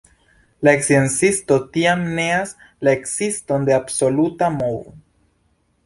La sciencisto tiam neas la ekziston de absoluta movo.